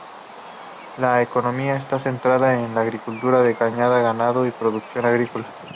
La economía está centrada en la agricultura de caña, ganado y productos agrícola.